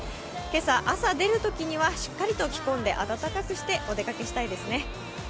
朝出るときにはしっかりと着込んで温かくしてお出かけしたいですね。